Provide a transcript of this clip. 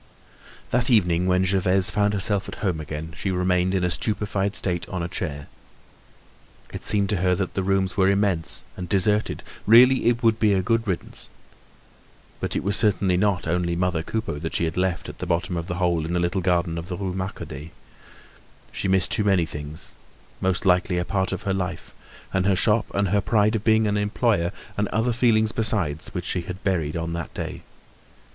That evening when Gervaise found herself at home again, she remained in a stupefied state on a chair. It seemed to her that the rooms were immense and deserted. Really, it would be a good riddance. But it was certainly not only mother Coupeau that she had left at the bottom of the hole in the little garden of the Rue Marcadet. She missed too many things, most likely a part of her life, and her shop, and her pride of being an employer, and other feelings besides, which she had buried on that day.